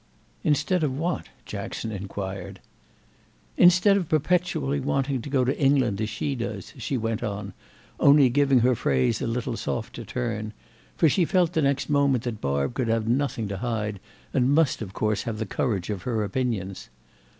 "Instead of what?" Jackson inquired. "Instead of perpetually wanting to go to England, as she does," she went on, only giving her phrase a little softer turn; for she felt the next moment that Barb could have nothing to hide and must of course have the courage of her opinions.